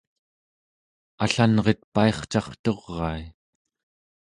allanret paircarturai